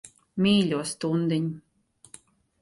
Mīļo stundiņ.